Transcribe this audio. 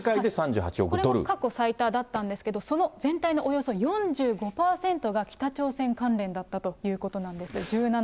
これも過去最多だったんですけど、その全体のおよそ４５％が北朝鮮関連だったということなんです。